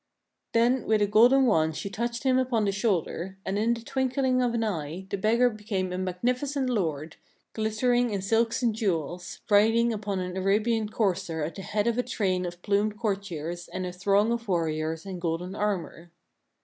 Then with a golden wand she touched him upon the shoulder; and in the twinkling of an eye the beggar became a magnificent lord, glittering in silks and jewels, riding upon an Arabian courser at the head of a train of plumed courtiers and a throng of warriors in golden armor.